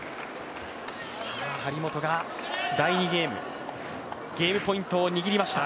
張本が第２ゲームゲームポイントを握りました。